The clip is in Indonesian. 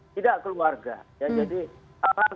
tidak keluarga ya jadi